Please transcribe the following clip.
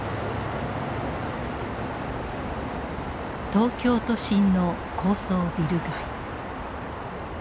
東京都心の高層ビル街。